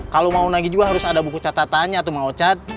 kalau mau nagih juga harus ada buku catatannya tuh mau cat